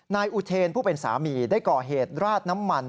นายอุเทนผู้เป็นสามีได้ก่อเหตุราดน้ำมัน